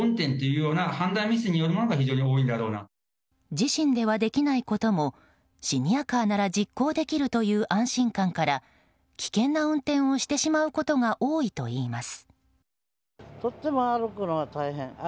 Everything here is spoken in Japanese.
自身ではできないこともシニアカーなら実行できるという安心感から危険な運転をしてしまうことが多いといいます。